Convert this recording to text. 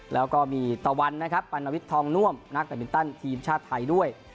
แล้วก็มีตะวันนะครับปัณวิทย์ทองน่วมนักแบตมินตันทีมชาติไทยด้วย